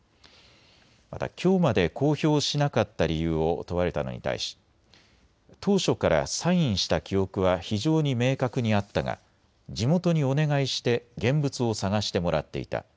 また、きょうまで公表しなかった理由を問われたのに対し当初からサインした記憶は非常に明確にあったが地元にお願いして現物を探してもらっていた。